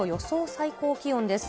最高気温です。